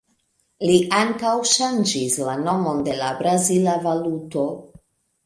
Li ankaŭ ŝanĝis la nomon de la brazila valuto.